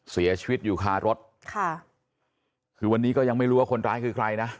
เสียชีวิตอยู่คารถค่ะคือวันนี้ก็ยังไม่รู้ว่าคนร้ายคือใครนะ